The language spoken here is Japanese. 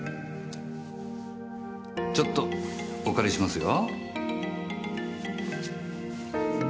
ちょっとお借りしますよ。